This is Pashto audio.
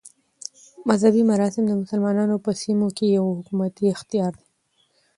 مذهبي مراسم د مسلمانانو په سیمو کښي یو حکومتي اختیار دئ.